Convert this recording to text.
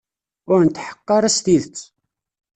Ur netḥeqq ara s tidet.